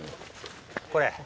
これ？